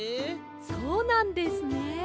そうなんですね。